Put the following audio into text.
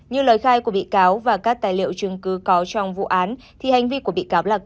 như lời khai của bị cáo và các tài liệu chứng cứ có trong vụ án thì hành vi của bị cáo là